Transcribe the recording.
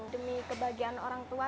demi kebahagiaan orang tua